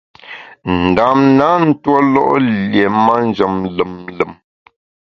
Ndam na ntuólo’ lié manjem lùm lùm.